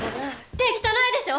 手汚いでしょ